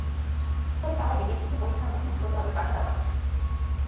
তবে তার আগে বেশ কিছু পরীক্ষার মুখোমুখি হতে হবে বার্সা তারকাকে।